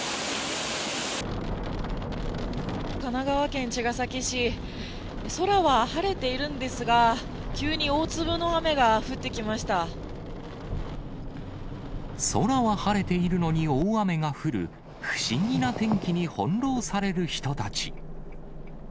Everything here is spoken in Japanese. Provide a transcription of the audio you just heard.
神奈川県茅ヶ崎市、空は晴れているんですが、空は晴れているのに大雨が降る、不思議な天気に翻弄される人たち。